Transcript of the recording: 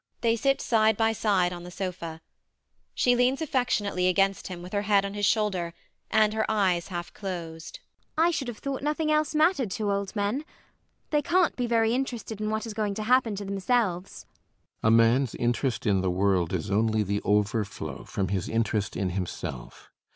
They sit side by side on the sofa. She leans affectionately against him with her head on his shoulder and her eyes half closed. ELLIE [dreamily]. I should have thought nothing else mattered to old men. They can't be very interested in what is going to happen to themselves. CAPTAIN SHOTOVER. A man's interest in the world is only the overflow from his interest in himself.